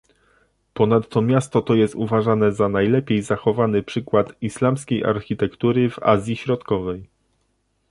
Ponadto miasto to jest uważane za najlepiej zachowany przykład islamskiej architektury w Azji Środkowej